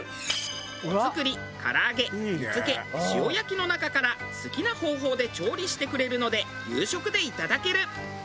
お造り唐揚げ煮付け塩焼きの中から好きな方法で調理してくれるので夕食でいただける。